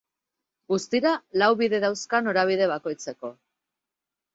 Guztira lau bide dauzka norabide bakoitzeko.